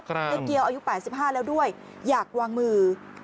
เจ๊เกียวอายุ๘๕แล้วด้วยอยากวางมือ